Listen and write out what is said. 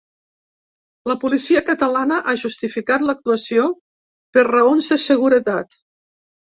La policia catalana ha justificat l’actuació per ‘raons de seguretat’.